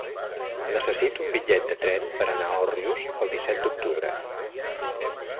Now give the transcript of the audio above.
Necessito un bitllet de tren per anar a Òrrius el disset d'octubre.